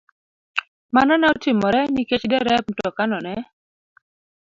Mano ne otimore nikech derep mtokano ne